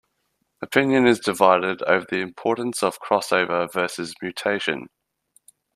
Opinion is divided over the importance of crossover versus mutation.